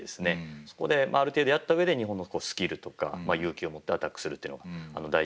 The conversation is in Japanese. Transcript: そこである程度やった上で日本のスキルとか勇気を持ってアタックするというのが大事で。